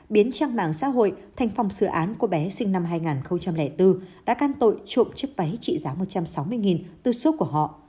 biến trang mạng xã hội thành phòng sự án của bé sinh năm hai nghìn bốn đã can tội trộm chiếc váy trị giá một trăm sáu mươi từ xúc của họ